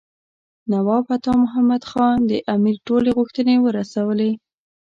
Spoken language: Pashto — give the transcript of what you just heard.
نواب عطا محمد خان د امیر ټولې غوښتنې ورسولې.